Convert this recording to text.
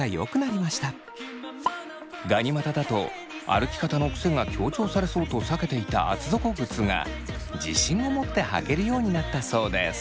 ガニ股だと歩き方の癖が強調されそうと避けていた厚底靴が自信を持って履けるようになったそうです。